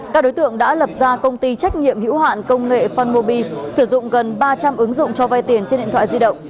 các đối tượng đã lập ra công ty trách nhiệm hữu hạn công nghệ fanmoby sử dụng gần ba trăm linh ứng dụng cho vay tiền trên điện thoại di động